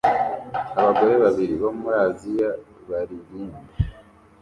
Abagore babiri bo muri Aziya baririmba